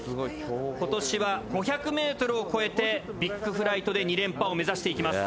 今年は５００ｍを越えてビッグフライトで２連覇を目指していきます。